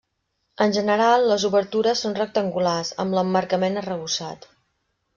En general, les obertures són rectangulars, amb l'emmarcament arrebossat.